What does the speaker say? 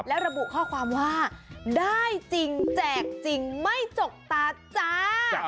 และระบุข้อความว่าได้จริงแจกจริงไม่จกตาจ้า